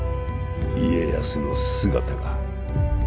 家康の姿が。